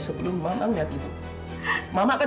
aku selingkuh kau